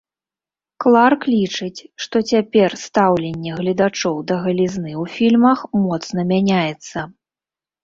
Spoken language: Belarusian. Кларк лічыць, што цяпер стаўленне гледачоў да галізны ў фільмах моцна мяняецца.